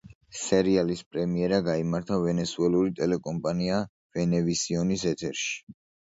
სერიალის პრემიერა გაიმართა ვენესუელური ტელეკომპანია ვენევისიონის ეთერში.